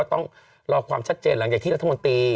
ต้องรอความชัดเจนหลังจากที่รัฐมนตรี